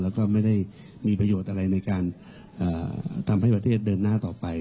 แล้วก็ไม่ได้มีประโยชน์อะไรในการทำให้ประเทศเดินหน้าต่อไป